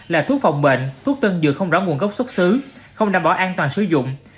là thuốc phòng bệnh thuốc tân dược không rõ nguồn gốc xuất xứ không đảm bảo an toàn sử dụng